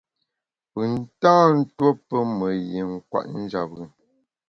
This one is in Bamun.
Pùn tâ ntuo pe me yin kwet njap bùn.